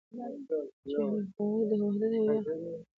چی هغوی د وحدت او یوالی خلاف قبیلوی ژوند کاوه